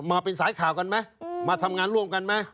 มาเป็นสายข่าวกันไหมมาทำงานร่วมกันไหม